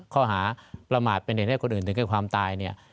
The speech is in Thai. ข้อหาประมาทเป็นเอกให้บุคคลอื่นถึงใกล้ความตาย